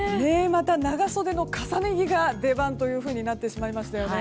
また長袖の重ね着が出番となってしまいましたよね。